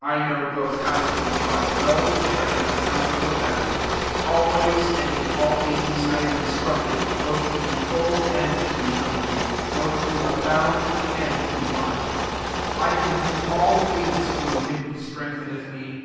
12 I know both horo to be brought low, and I know hov) to abound: always, and in all things, I am instructed, both to be full and to be hungry, both to abound and to want: 13 I can do all things* through him who strengtheneth me.